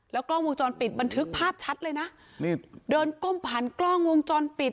กล้องวงจรปิดบันทึกภาพชัดเลยนะนี่เดินก้มผ่านกล้องวงจรปิด